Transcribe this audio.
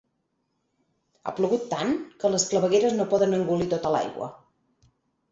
Ha plogut tant, que les clavegueres no poden engolir tota l'aigua.